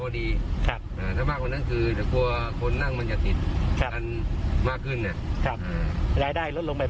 ดีกว่า